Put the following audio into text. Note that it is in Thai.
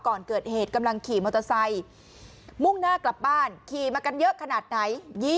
ก่อนเกิดเหตุกำลังขี่มอเตอร์ไซค์มุ่งหน้ากลับบ้านขี่มากันเยอะขนาดไหน